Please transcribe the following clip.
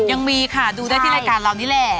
ยังมีค่ะดูได้ที่รายการเรานี่แหละ